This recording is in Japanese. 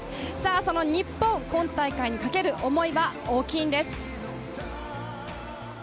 その日本、今大会にかける思いは大きいんです。